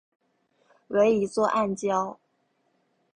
为一座暗礁。